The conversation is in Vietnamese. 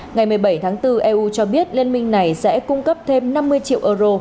ngày một mươi bảy tháng bốn eu cho biết liên minh này sẽ cung cấp thêm năm mươi triệu euro